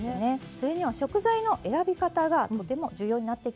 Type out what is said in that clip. それには食材の選び方がとても重要になってきます。